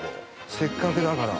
せっかくだから。